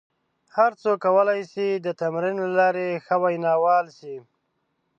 هر څوک کولای شي د تمرین له لارې ښه ویناوال شي.